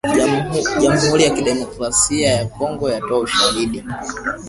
Jamuhuri ya kidemokrasaia ya Kongo yatoa ushahidi